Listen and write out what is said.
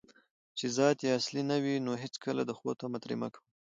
چې ذات یې اصلي نه وي، نو هیڅکله د ښو طمعه ترې مه کوه